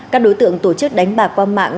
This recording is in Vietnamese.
các đối tượng tổ chức đánh bạc qua mạng